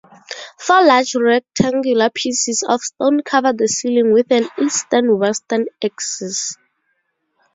Four large rectangular pieces of stone cover the ceiling with an eastern-western axis.